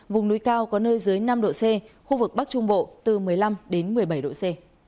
vùng núi cao có nơi dưới năm độ c khu vực bắc trung bộ từ một mươi năm đến một mươi bảy độ c